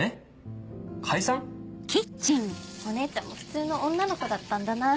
⁉お姉ちゃんも普通の女の子だったんだな。